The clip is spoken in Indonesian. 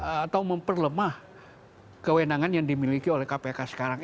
atau memperlemah kewenangan yang dimiliki oleh kpk sekarang